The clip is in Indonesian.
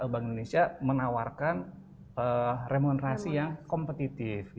bank indonesia menawarkan remunerasi yang kompetitif